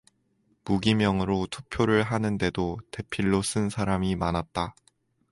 무기명으로 투표를 하는 데도 대필로 쓴 사람이 많았다.